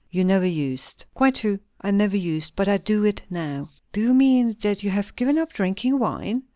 "You never used." "Quite true; I never used. But I do it now." "Do you mean that you have given up drinking wine?"